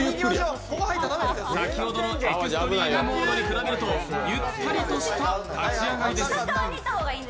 先ほどのエクストリームモードに比べると、ゆったりとした立ち上がりです。